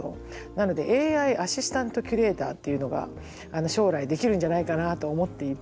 なのでＡＩアシスタントキュレーターというのが将来できるんじゃないかなと思っていて。